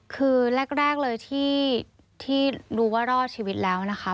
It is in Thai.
คือแรกเลยที่รู้ว่ารอดชีวิตแล้วนะคะ